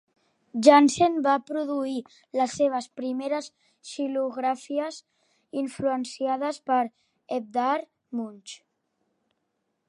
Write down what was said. Janssen va produir les seves primeres xilografies, influenciades per Edvard Munch.